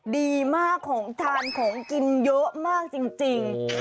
ดีมากของทานของกินเยอะมากจริง